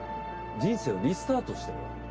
人生をリスタートしてもらう。